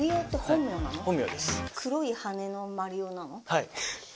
はい。